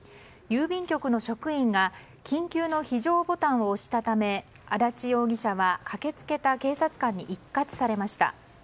郵便局の職員が緊急の非常ボタンを押したため安達容疑者は駆け付けた警察官に一喝されました。